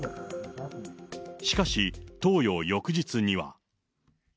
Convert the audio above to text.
しかし投与翌日には。